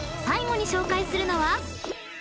［最後に紹介するのは？］